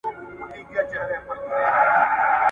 تا په تور او سپین جادو قرنونه غولولي وو !.